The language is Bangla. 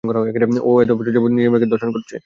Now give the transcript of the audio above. ও এতবছর যাবৎ নিজের মেয়েকে ধর্ষণ করছে!